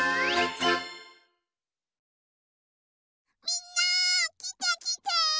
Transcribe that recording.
みんなきてきて！